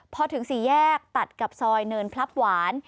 พอถึงสี่แยกตัดกับซอยเนินพลับหวาน